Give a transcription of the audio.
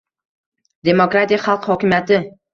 «demokratiya – xalq hokimiyati